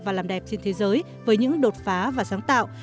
và làm đẹp trên thế giới với những đột phá và sáng tạo